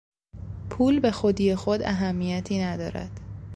پول به خودی خود اهمیتی ندارد.